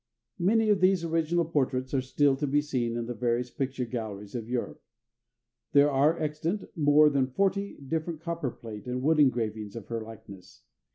Many of these original portraits are still to be seen in the various picture galleries of Europe. There are extant more than forty different copper plate and wood engravings of her likeness.